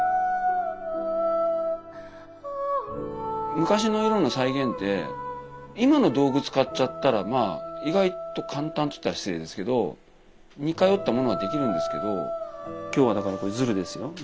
昔の色の再現って今の道具使っちゃったら意外と簡単といったら失礼ですけど似通ったものができるんですけど今日はだからこれズルですよ。